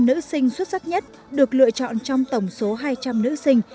một mươi năm nữ sinh xuất sắc nhất được lựa chọn trong tổng số hai trăm linh nữ sinh